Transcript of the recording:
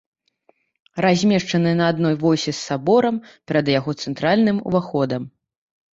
Размешчаная на адной восі з саборам, перад яго цэнтральным уваходам.